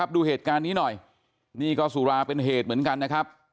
ดูเหตุการณ์นี้หน่อยนี่ก็สุราเป็นเหตุเหมือนกันนะครับ